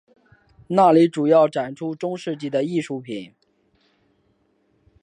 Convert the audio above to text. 那里主要展出中世纪的艺术品。